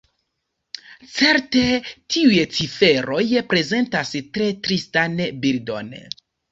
Certe tiuj ciferoj prezentas tre tristan bildon.